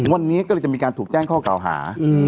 วันนี้ก็เลยจะมีการถูกแจ้งข้อกล่าวหา